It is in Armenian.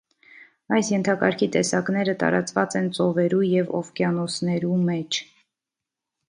Այս ենթակարգի տեսակները տարածուած են ծովերու եւ ովկիանոսներու մէջ։